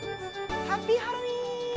ハッピーハロウィーン！